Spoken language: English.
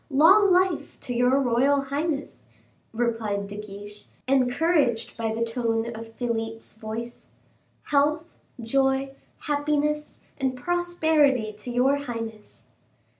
"Long life to your royal highness!" replied De Guiche, encouraged by the tone of Philip's voice; "health, joy, happiness, and prosperity to your highness."